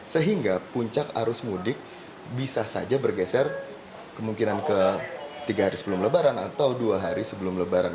sehingga puncak arus mudik bisa saja bergeser kemungkinan ke tiga hari sebelum lebaran atau dua hari sebelum lebaran